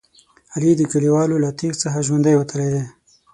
علي د کلیوالو له تېغ څخه ژوندی وتلی دی.